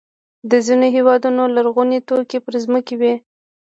د ځینو هېوادونو لرغوني توکي پر ځمکې وي.